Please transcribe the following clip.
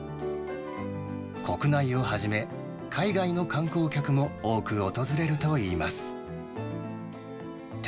国内をはじめ、海外の観光客も多く訪れるといいます。